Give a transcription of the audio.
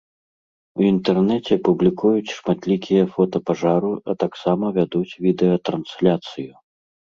У інтэрнэце публікуюць шматлікія фота пажару, а таксама вядуць відэатрансляцыю.